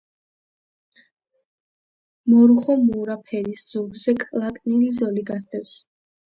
მორუხო-მურა ფერის ზურგზე კლაკნილი ზოლი გასდევს.